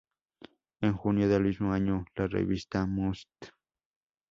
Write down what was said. En junio del mismo año, la revista Must!